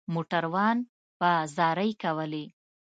موټروان به زارۍ کولې.